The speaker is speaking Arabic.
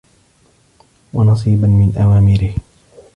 وَنَصِيبًا مِنْ أَوَامِرِهِ